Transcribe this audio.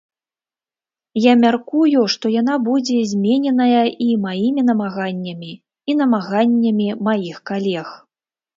Я мяркую, што яна будзе змененая і маімі намаганнямі, і намаганнямі маіх калег.